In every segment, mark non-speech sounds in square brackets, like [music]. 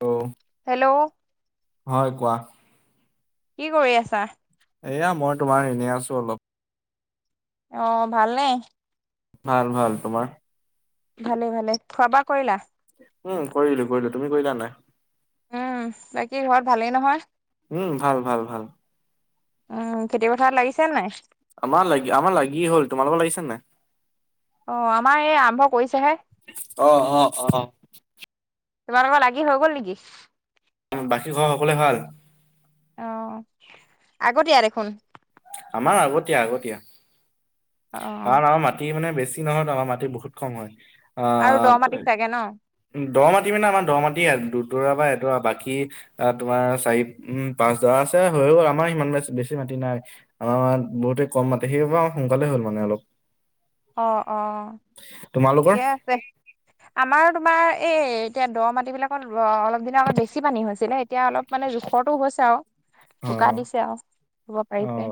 অ' hello. হয় কোৱা? কি কৰি আছা? এয়া, মই তোমাৰ এনেই আছোঁ অলপ। অ' ভালনে? ভাল ভাল। তোমাৰ? ভালে ভালে। খোৱা বোৱা কৰিলা? উম, কৰিলো কৰিলো। তুমি কৰিলা নাই? উম। বাকী ঘৰত ভালেই নহয়? উম, ভাল ভাল ভাল। উম, খেতি পথাৰ লাগিছে নাই? আমাৰ লাগি, আমাৰ লাগি হ'ল। তোমালোকৰ লাগিছে নাই? অ' আমাৰ এই আৰম্ভ কৰিছেহে। অ', অ', অ', অ'। তোমাৰোকৰ লাগি হৈ গ'ল নেকি? বাকী ঘৰ সকলোৱে ভাল? অ' আগতীয়া দেখোন। আমাৰ আগতীয়া আগতীয়া। অ কাৰণ আমাৰ মাত মাটি মানে বেছি নহয়, তোমাৰ মাটি বহুত কম হয়, আ আৰু দ মাটি চাগে ন? দ মাটি মানে আমাৰ দ মাটি, দুডৰা বা এডৰা বাকী আ, তোমাৰ চাৰি উম, পাঁচজৰা আছে হৈ গ'ল, আমাৰ সিমান বেছি মাটি নাই। আমাৰ বহুতে কম মাটি সেইব সোনকালে হ'ল মানে অলপ। অ', অ' তোমালোকৰ? ঠিকে আছে। আমাৰ তোমাৰ এই এতিয়া দ মাটি বিলাকত অলপ দিনৰ আগত বেছি পানী হৈছিলে, এতিয়া অলপ মানে জোখৰটো হৈছে আৰু বোকা অ'। দিছে আৰু হ'ব অ পাৰিছে।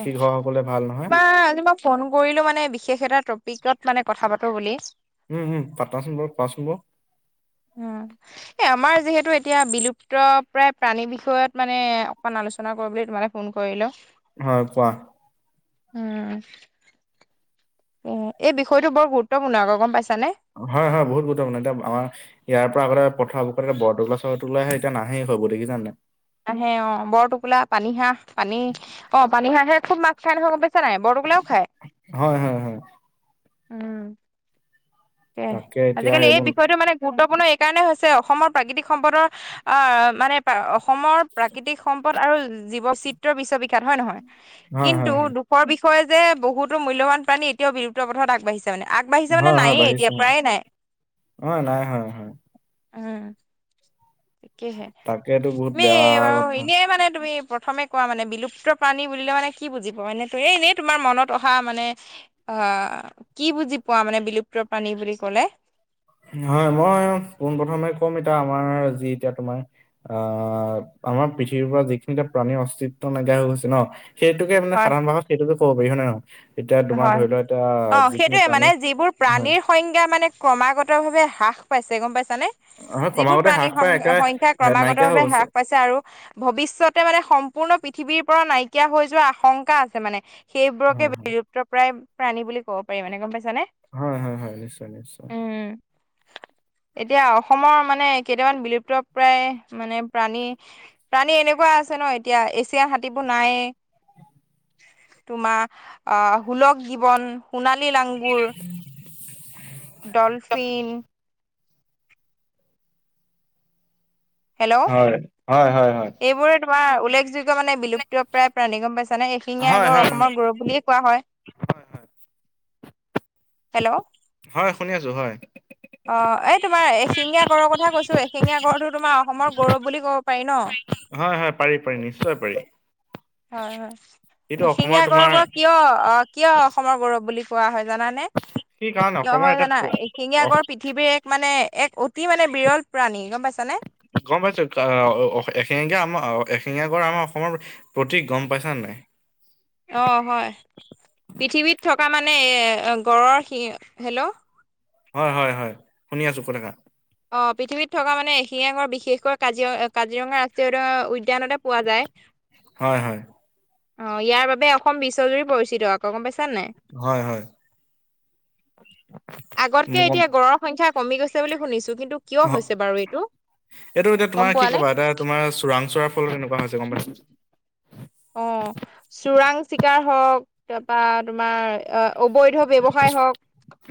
এ, ঘৰৰ সকলোৱে ভাল নহয় বা আজি মই ফোন কৰিলো মানে বিশেষ এটা টপিকত মানে কথা পাতো বুলি। হুম, হুম, পাচোন বাৰু কোৱাচোন বাৰু। উম। এ আমাৰ যিহেতু এতিয়া বিলুপ্তপ্ৰায় প্ৰাণী বিষয়ত মানে অকমান আলোচনা কৰিব বুলি তোমালে ফোন কৰিলো। হয়, কোৱা। উম। এ-এই বিষয়টো বৰ গুৰুত্বপূৰ্ণ আকৌ গম পাইছানে। হয় হয় বহুত গুৰুত্বপূৰ্ণ, এতিয়া আমা ইয়াৰ পৰা আগতে পথাৰবোৰ এ বৰটোকোলা চৰটোকোলা আহে এতিয়া নাহে হৈবোৰ দেখিছা নাই। নাহে অ', বৰটোকোলা পানীহাঁহ পানী অ', পানীহাঁহে খুব মাছ খাই নহয় গম ছা নাই বৰটোকোলাইও খায়, হয় হয় হয় উম। তাকে, এতিয়া আজিকালি এই এইবোৰ বিষয়টো মানে গুৰুত্বপূৰ্ণ এইকাৰণে হৈছে অসমৰ প্ৰাকৃতিক সম্পদৰ আহ মানে অসমৰ প্ৰাকৃতিক সম্পদ আৰু জীৱচিত্ৰ বিশ্ববিখ্যাত, হয় নহয়। হয় হয় কিন্তু হয় দুখৰ বিষয়ে যে বহুতো মূল্যবান প্ৰাণী এতিয়াও বিলুপ্ত পথত আগবাঢ়িছে ছে মানে, আগবাঢ়িছে মানে নাইয়ে। সঁচাকে অ', নাই হয় হয়। উম। তাকেহে, তাকেতো বহুত তুমি বেয়া বাৰু কথা এনেই মানে তুমি প্ৰথমে কোৱা মানে বিলুপ্ত প্ৰাণী বুলিলে মানে কি বুজি পোৱা মানে ত এনেই তোমাৰ মনত অহা মানে হা, কি বুজি পোৱা মানে বিলুপ্ত প্ৰাণী বুলি ক'লে? হয় মই পোন প্ৰথমে ক'ম এতিয়া আমাৰ যি এতিয়া তোমাৰ আহ আমাৰ পৃথিৱীৰ পৰা যিখিনি এ প্ৰাণীৰ অস্তিত্ব নাইকিয়া হৈ গৈছে ন' সেইটোকে মানে হয় সাধাৰণ ভাষাত সেইতটোকে ক'ব পাৰি হয় নে নহয়। এতিয়া তোমাৰ হয় ধৰি লোৱা এতিয়া অ যিখিনি সেইটোয়ে মানে প্ৰাণী, যিবোৰ হয় প্ৰাণীৰ সংজ্ঞা মানে ক্ৰমাগতভাৱে হ্ৰাস পাইছে গম পাইছানে। হয় যিবোৰ ক্ৰমাগতে হ্ৰাস প্ৰাণীৰ পাই একেবাৰে সং-সংখ্যা হে নাইকিয়া হৈ ক্ৰমাগতভাৱে গৈছে হ্ৰাস পাইছে আৰু ভৱিষ্যতে মানে সম্পূৰ্ণ পৃথিৱীৰ পৰা নাইকিয়া হৈ যোৱা আশংকা আছে মানে, সেইবোৰকে হয় হয় প্তপ্ৰায় প্ৰাণী বুলি ক'ব পাৰি মানে গম পাইছানে। হয় হয় হয় নিশ্চয় নিশ্চয়। এতিয়া অসমৰ মানে কেইটামান বিলুপ্তপ্ৰায় মানে প্ৰাণী প্ৰাণী এনেকুৱা আছে ন' এতিয়া এছিয়া হাতীবোৰ নায়েই। তোমাৰ অ', সুলগ গীৱন সোণালী লাংগুৰ, ডলফিন হেল্ল', হয় হয় হয় হয় এইবোৰে তোমাৰ উল্লেখযোগ্য মানে বিলুপ্তপ্ৰায় প্ৰাণী গম পাইছানে। এশিঙীয়া হয় গড় হয় অসমৰ হয় গৌৰৱ বুলিয়ে কোৱা হয়। হেল্ল'। হয় শুনি আছো হয়। অ', এই তোমাৰ এশিঙীয়া গড়ৰ কথা কৈছো এশিঙীয়া গড়টো তোমাৰ অসমৰ গৌৰৱ বুলি ক'ব পাৰি ন'। হয় হয় পাৰি পাৰি নিশ্চয় পাৰি। হয় হয়, এইটো অসমৰ এশিঙীয়া গড়ৰ তোমাৰ পৰা কিয় অ', কিয় অসমৰ গৌৰৱ বুলি কোৱা হয় জানানে? কি কাৰণ কিয় অসমৰ হয় এটা জানা, এশিঙীয়া প- গড় পৃ থিৱীৰ এক মানে এক অতি মানে বিৰল প্ৰাণী গম পাইছানে। গম পাইছো এশিঙীয়া আম এশিঙীয়া গড় আমাৰ অসমৰ প্ৰতিক গম পাইছা নাই অ', হয় পৃথিৱীত থকা মানে গঁড়ৰ সি হেল্ল হয় হয় হয়, শুনি আছো কৈ থাকা। অ', পৃথিৱীত থকা মানে এশিঙীয়া বিশেষকৈ কাজিৰ-কাজিৰঙা ৰাষ্ট্ৰীয় উ-উদ্যানতে পোৱা যায়। হয় হয়। অ', ইয়াৰ বাবে অসম বিশ্বজুৰি পৰিচিত আকৌ গম পাইছান নাই। হয় হয় আগতকে মোৰ গম এতিয়া গড়ৰ সংখ্যা কমি গৈছে বুলি শুনিছো কিন্তু কিয় হৈছে বাৰু এইটো এতিয়া গম তোমাৰ পোৱা কি নে? কবা এটা তোমাৰ চোৰাং চোৱাৰ ফলত এনেকুৱা হৈছে গ'ম পাইছা। অ' চোৰাং চিকাৰ হওঁক তাৰপা তোমাৰ আহ অবৈধ ব্যৱসায় হওঁক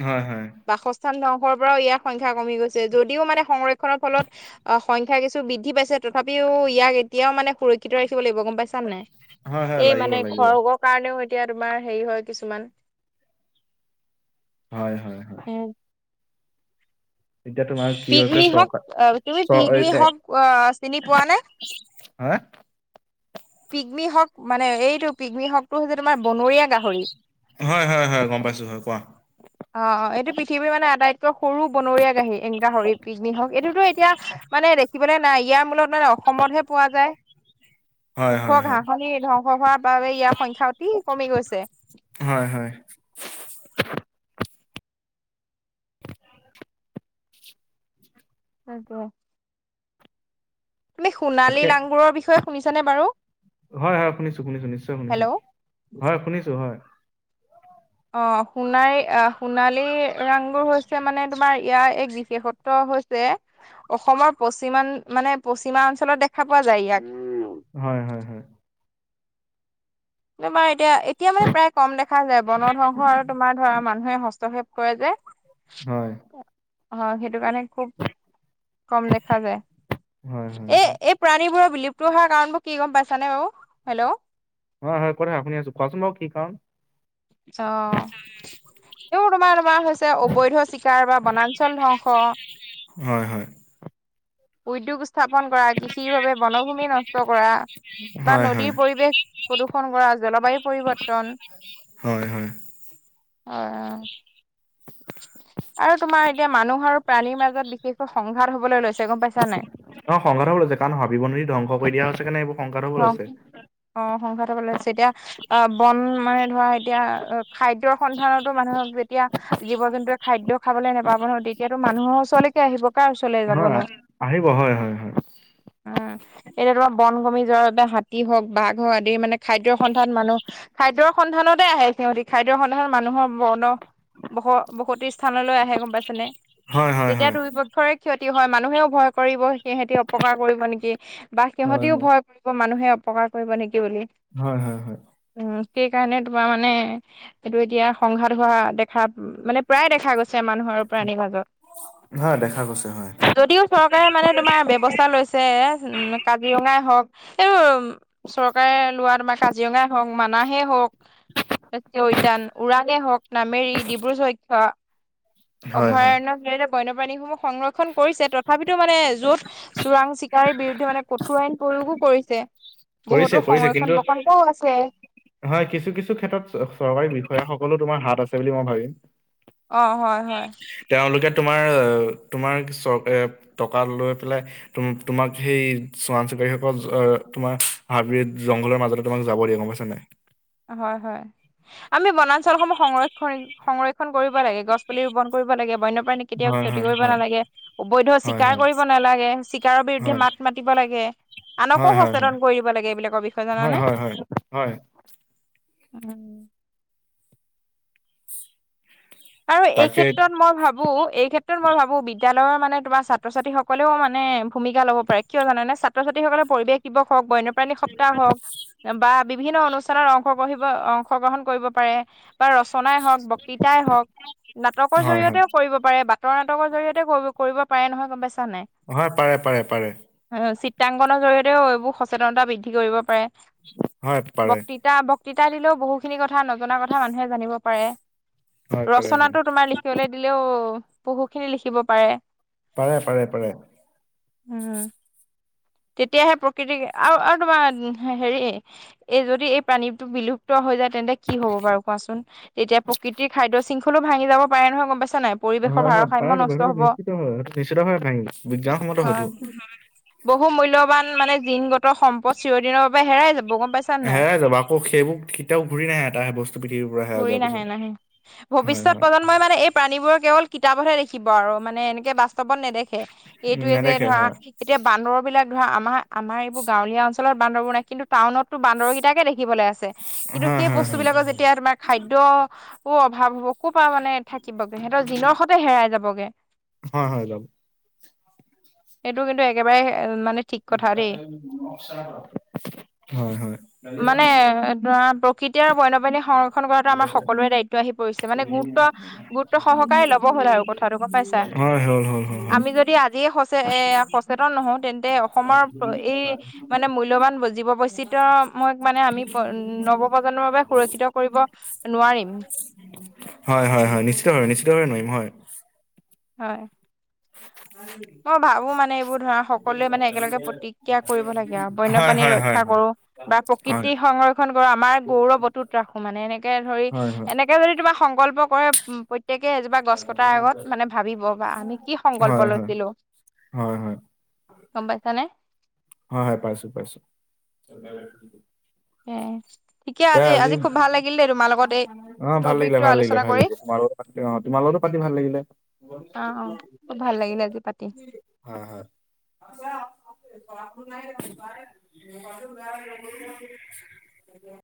হয় হয় বাসস্থান ধংশৰ পৰাও ইয়াৰ সংখ্যা কমি গৈছে, যদিও মানে সংৰক্ষণৰ ফলত অ' সংখ্যা কিছু বৃদ্ধি পাইছে, তথাপিও ইয়াক এতিয়াও মানে সুৰক্ষিত ৰাখিব লাগিব গ'ম পাইছাম নে নাই। হয় হয় এই লাগিব মানে লাগিব খৰ্গৰ কাৰণেও এতিয়া তোমাৰ হেৰি হয় কিছুমান হয়, হয়, হয়। এ এতিয়া তোমাৰ কি হৈছে পিগমি হওক চৰকাৰ আহ তুমি চ পিগমি হওক আহ চিনি পোৱা নে? হা'। পিকনি হ'ক মানে এইটো পিকমি হ'কটো হৈছে তোমাৰ বনৰীয়া গাহৰি। হয়, হয়, হয় গ'ম পাইছোঁ হয় কোৱা। অ', অ' এইটো পৃথিৱীৰ মানে আটাইতকৈ সৰু বনৰীয়া গাহী এ গাহৰি পিকনি হ'ক। এইটোতো এতিয়া মানে দেখিবলৈ নাই ইয়াৰ মূলত মানে অসমতহে পোৱা যায়। হয় হয় ওখৰ হয় ঘাঁহনি ধ্বংস হোৱাৰ বাবে ইয়াৰ সংখ্যা অতি কমি গৈছে। হয়, হয়। সেইতোৱে। তুমি সোণালী তাকে লাংগুৰৰ বিষয়ে শুনিছানে বাৰু? হয়, হয়, শুনিছো, শুনিছো নিশ্চয় শুনিছো। হেল্ল' হয়, শুনিছো হয়। অ', সোণাৰী আহ সোণালী লেংগুৰ হৈছে মানে, তোমাৰ ইয়াৰ এক বিশেষত্ব হৈ ছে, অসমৰ পশ্চিমা মানে পশ্চিমা অঞ্চলত দেখা পোৱা যায় ইয়াক। হয়, হয়, হয়। তোমাৰ এতিয়া, এতিয়া মানে প্ৰায় কম দেখা যায়, বন ধ্বংস আৰু তোমাৰ ধৰা মানুহে হস্তক্ষেপ কৰে যে। [inaudible] হয়। হয়, সেইটো কাৰণে খুব কম দেখা হয় হয় যায়। এই প্ৰাণীবোৰৰ বিলুপ্ত হোৱাৰ কাৰণবোৰ কি গম পাইছা নে বাৰু? হেল্ল'। হয়, হয়, কৈ থাকা শুনি আছোঁ, কোৱাচোন বাৰু কি কাৰণ? অ'। এইবোৰ তোমাৰ, তোমাৰ হৈছে অবৈধ চিকাৰ বা বনাঞ্চল ধ্বংস। হয়, হয়। উদ্যোগ স্থাপন কৰা, কৃষিৰ বাবে বনভূমি নষ্ট কৰা। বা হয় নদীৰ হয় পৰিৱেশ প্ৰদূষন কৰা, জলবায়ু পৰিৱৰ্তন। হয়, হয়। হয়, অ'। আৰু তোমাৰ এতিয়া, মানুহ আৰু প্ৰাণীৰ মাজত বিশেষকৈ সংঘাত হ'বলৈ লৈছে গম পাইছা নাই। অ', সংঘাত হ'ব লৈছে, কাৰণ হাবি-বননি ধ্বংস কৰি দিয়া হৈছে কাৰনে, এইবোৰ সংঘাত হ'ব ধ্বংস লৈছে। অ', সংঘাত হ'ব লৈছে। এতিয়া অ', বন মানে ধৰা এতিয়া, খাদ্যৰ সন্ধানতো মানুহে যেতিয়া জীৱ-জন্তুৱে খাদ্য খাবলৈ নাপাব ন, তেতিয়াতো মানুহৰ ওচৰলে কে আহিব। কাৰ ওচৰলৈ হয় যাবনো। আহিব হয় হয় হয়। উম, এতিয়া তোমাৰ বন ভূমি নিজৰ বাবে, হাতী হওক বাঘ হওক আদি মানে, খাদ্যৰ সন্ধান মানুহ খাদ্যৰ সন্ধানতে আহে সিহঁতি। খাদ্যৰ সন্ধানত মানুহৰ বৰ্ণ বস বসতিস্থানলৈ আহে গম পাইছেনে। হয় হয় তেতিয়া, হয় দুপক্ষৰে ক্ষতি হয়, মানুহেও ভয় কৰিব। সিহঁতি অপকাৰ কৰিব নেকি, বা হয় সিহঁতিও ভয় কৰিব মানুহে অপকাৰ কৰিব নেকি বুলি। হয়, হয়, হয়। উম, সেইকাৰনে তোমাৰ মানে সেইতো এতিয়া, সংঘাত হোৱা দেখা মানে প্ৰায় দেখা গৈছে মানুহৰ হয়, দেখা গৈছে হয়। যদিও চৰকাৰে মানে, তোমাৰ ব্যৱস্থা লৈছে, উম, কাজিৰঙাই হওক। এইটো চৰকাৰে লোৱা তোমাৰ কাজিৰঙাই হওঁক, মানাহেই হওঁক। তাৰ ৰাষ্ট্ৰীয় উদ্যান, উৰাঙে হওঁক, নামেৰি, ডিব্ৰু চৈখোৱা। হয় হয়। অভয়াৰণ্যৰ জৰিয়তে বন্যপ্ৰাণীসমূহ সংৰক্ষণ কৰিছে। তথা- তথাপিতো মানে, য'ত চোৰাং চিকাৰীৰ বিৰুদ্ধে মানে কঠোৰ আইন প্ৰয়োগো কৰিছে। কৰিছে বহুতো কৰিছে কিন্তু সংৰক্ষণ প্ৰকল্পও আছে। হয়, কিছু কিছু ক্ষেত্ৰত চৰকাৰী বিষয়াসকলো তোমাৰ হাত আছে বুলি মই ভাবিম। অ', হয় হয়। তেওঁলোকে তোমাৰ, তোমাৰ চৰকাৰী টকা লৈ পেলাই, তোম, তোমাক সেই চোৰাং চিকাৰীসকল, তোমাৰ হাবি-জংঘলৰ মাজত তোমাক যাব দিয়ে, গম পাইচ নাই। হয় হয়। আমি বনাঞ্চলসমূহ সংৰক্ষণ সংৰক্ষণ কৰিব লাগে, গছ পুলি ৰোপন কৰিব লাগে। বন্যপ্ৰাণী কেতিয়াও হয় ক্ষতি হয় কৰিব হয় নালাগে। অবৈধ হয় হয় চিকাৰ কৰিব নালাগে। চিকাৰৰ বিৰুদ্ধে মাত মাতিব লাগে। আনকো হয় হয় হয় সচেতন কৰি দিব লাগে। এইবিলাকৰ বিষয়ে হয় জানে। হয় হয় হয়। উম্, আৰু এই তাকে ক্ষেত্ৰত মই ভাবোঁ, এই ক্ষেত্ৰত মই ভাবোঁ, বিদ্যালয়ৰ মানে তোমাৰ ছাত্ৰ ছাত্ৰী সকলেও মানে ভূমিকা ল'ব পাৰে। কিয় জানেনে? ছাত্ৰ-ছাত্ৰীসকলে পৰিৱেশ দিবস হওঁক, বন্য প্ৰাণী সপ্তাহ হওঁক বা বিভিন্ন অনুষ্ঠানত অংশ গ্ৰহিব অংশগ্ৰহণ কৰিব পাৰে বা ৰচনাই হওঁক, বক্তৃতাই হওঁক নাটকৰ হয় হয় জৰিয়তেও কৰিব পাৰে, বাটৰ নাটকৰ জৰিয়তেও কৰিব পাৰে নহয়, গম পাইছাঁ নাই। হয়, পাৰে পাৰে পাৰে চিত্ৰাংকনৰ জৰিয়তেও এইবোৰ সচেতনতা বৃদ্ধি কৰিব পাৰে। হয় পাৰে বক্তি এতিয়া বক্তৃতা দিলেও, বহুখিনি কথা নজনা কথা মানুহে জানিব পাৰে। হয় পাৰে হয় ৰচনাটো তোমাৰ লিখিবলৈ দিলেও, বহুখিনি লিখিব পাৰে। পাৰে পাৰে পাৰে। উম্ তেতিয়াহে প্ৰকৃতি আৰু, আৰু তোমাৰ হেৰি এই যদি এই প্ৰাণীটো বিলুপ্ত হৈ যায় তেন্তে কি হ'ব বাৰু কোৱাচোন। তেতিয়া প্ৰকৃতিৰ খাদ্য শৃংখলো ভাঙি যাব পাৰে নহয়, গম পাইছা নাই। পৰিৱেশৰ হয় হয়, ভাৰসাম্য নষ্ট পাৰেটো হব নিশ্চিত হয়, নিশ্চিত হয় নি বিজ্ঞানসন্মত হয়টো হয়। বহু মূল্যবান মানে জিনগত সম্পদ চিৰদিনৰ বাবে হেৰাই যাব, গম পাইছা। নাই হেৰাই যাব। আকৌ সেইবোৰ কেতিয়াও ঘূৰি নাহে। এটা সম বস্তু পৃথিৱী ঘূৰি নাহে নাহে। ভৱিষ্যত হয় প্ৰজন্ম মই মানে এই প্ৰাণীবোৰৰ কেৱল কিতাপতহে দেখিব আৰু মানে এনেকে বাস্তৱত নেদেখে। উম এইতোয়ে যে নেদেখে ধৰা হয় এতিয়া বান্দৰ বিলাক ধৰা আমাৰ আমাৰ এতিয়া বান্দৰবিলাক ধৰা, আমাৰ, আমাৰ এইবোৰ গাঁৱলীয়া অঞ্চলত বান্দৰবোৰ নাই কিন্তু টাউনটতো বান্দৰকেইটাকে দেখিবলৈ আছে। কিন্তু হয় সেই হয় বস্তু হয় বিলাকৰ যেতিয়া তোমাৰ খাদ্যও অভাৱ হ'ব ক'ৰ পৰা মানে থাকিবগে। সিহঁতৰ জিনৰ সতে হেৰাই যাবগে। হয় হয় যাব। সেইটো কিন্তু একেবাৰে মানে ঠিক কথা দেই। হয় হয়। মানে ধৰা প্ৰকৃতি তেওঁৰ বন্যপ্ৰাণী সংৰক্ষণ কৰাটো আমাৰ সকলোৰে দায়িত্ব আহি পৰিছে। মানে গুৰুত্ব, গুৰুত্ব সহকাৰে ল'ব হ'ল আৰু কথা কথাটো গম পাইছা। হয় হ'ল হ'ল হ'ল হয় আমি যদি আজিয়ে সচেত সচেতন নহওঁ তেন্তে অসমৰ এই মানে মূল্যবান জীৱ বৈচিত্ৰময় মানে আমি নৱ-প্ৰ্জন্মৰ বাবে সুৰক্ষিত কৰিব নোৱাৰিম হয় হয় হয়। নিশ্চিতভাৱে, নিশ্চিতভাৱে নোৱাৰিম। হয়। হয়। অি [inaudible] মই ভাবো মানে এইবোৰ ধৰা সকলোৱে মানে একেলগে প্ৰতিজ্ঞা কৰিব লাগে আৰু হয় বন্যপ্ৰানী হয় হয় ৰক্ষা কৰো বা হয় প্ৰকৃতি সং কৰো আমাৰ গৌৰৱ বতুত ৰাখো মানে এনেকে ধৰি হয় হয় এনেকে যদি তোমাক সংকল্প কৰে প্ৰত্যেকে এজোপা গছ কটাৰ আগত মানে ভাবিব বা আমি কি হয় সংকল্প লৈছো হয় হয়। গম পাইছানে হয় হয় পাইছো পাইছো। এ আজি আজি খুব ভাল লাগিল দেই তোমাৰ লগত এই অ' ভাল লাগিলে টপিকটো ভাল লাগিলে আলোচনা ভাল কৰি লাগিলে তোমাৰ পাতি অ' তোমাৰ লগতো পাতি ভাল লাগিলে। অ', অ', ভাল লাগিলে আজি পাতি। হয় হয়। [inaudible]